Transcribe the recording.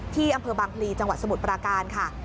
ที่อำเภอบางพลีจังหวัดสมุทรปราการค่ะ